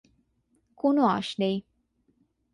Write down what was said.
কোনো আঁশ নেই।